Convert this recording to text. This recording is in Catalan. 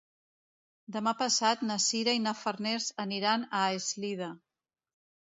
Demà passat na Sira i na Farners aniran a Eslida.